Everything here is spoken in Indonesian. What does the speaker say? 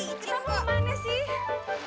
kita mau kemana sih